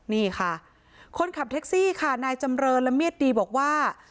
นี่ค่ะคนขับแท็กซี่ค่ะนายจำเรินละเมียดดีบอกว่า